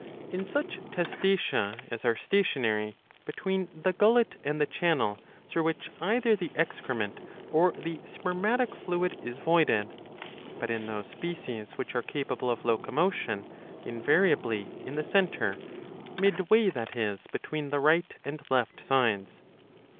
In such Testacea as are stationary, between the gullet and the channel through which either the excrement or the spermatic fluid ^ is voided ; but, in those species which are capable of locomotion, invariably in the centre, midway that is between the right and left sides.